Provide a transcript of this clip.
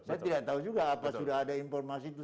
saya tidak tahu juga apa sudah ada informasi itu